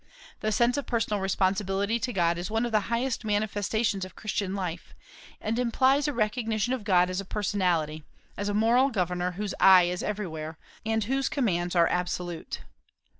The sense of personal responsibility to God is one of the highest manifestations of Christian life, and implies a recognition of God as a personality, as a moral governor whose eye is everywhere, and whose commands are absolute.